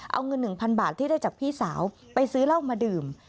เอาเงิน๑๐๐บาทที่ได้จากพี่สาวไปซื้อเหล้ามาดื่ม